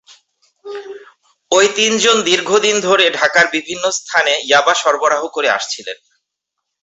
ওই তিনজন দীর্ঘদিন ধরে ঢাকার বিভিন্ন স্থানে ইয়াবা সরবরাহ করে আসছিলেন।